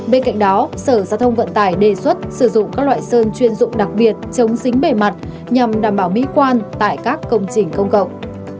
bên cạnh đó sở giao thông vận tải đề xuất sử dụng các loại sơn chuyên dụng đặc biệt chống dính bề mặt nhằm đảm bảo mỹ quan tại các công trình công cộng